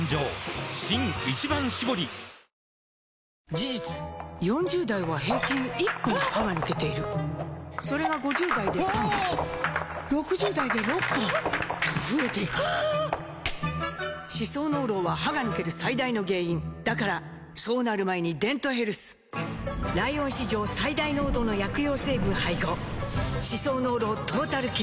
事実４０代は平均１本歯が抜けているそれが５０代で３本６０代で６本と増えていく歯槽膿漏は歯が抜ける最大の原因だからそうなる前に「デントヘルス」ライオン史上最大濃度の薬用成分配合歯槽膿漏トータルケア！